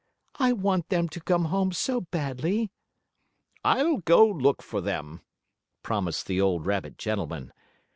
I want them to come home so badly!" "I'll go look for them," promised the old rabbit gentleman.